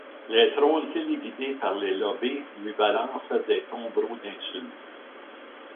Les trolls téléguidés par les lobbys lui balancent des tombereaux d’insultes.